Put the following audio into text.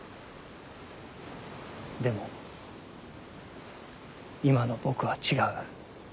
でも今の僕は違う。